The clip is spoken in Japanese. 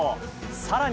さらに。